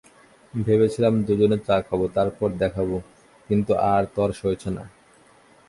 ভেবেছিলাম দুজনে চা খাবো তারপর দেখাবো, কিন্তু আর তর সইছে না।